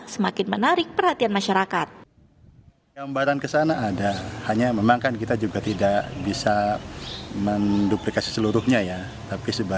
semakin menarik perhatian masyarakat